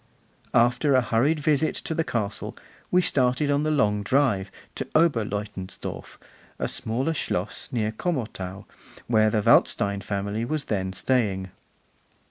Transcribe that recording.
After a hurried visit to the castle we started on the long drive to Oberleutensdorf, a smaller Schloss near Komotau, where the Waldstein family was then staying.